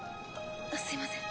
すいません。